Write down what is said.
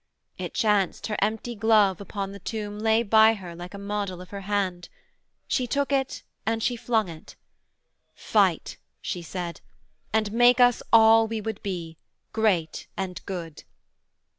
It chanced, her empty glove upon the tomb Lay by her like a model of her hand. She took it and she flung it. 'Fight' she said, 'And make us all we would be, great and good.'